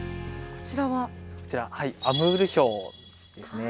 こちらアムールヒョウですね。